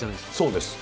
そうです。